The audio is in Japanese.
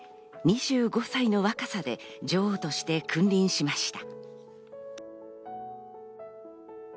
２５歳の若さで女王として君臨しました。